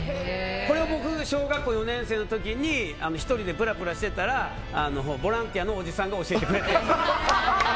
これは僕、小学校４年生の時に１人でぶらぶらしてたらボランティアのおじさんが教えてくれて。